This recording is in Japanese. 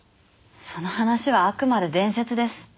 その話はあくまで伝説です。